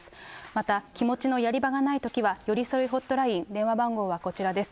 また、気持ちのやり場がないときは、よりそいホットライン、電話番号はこちらです。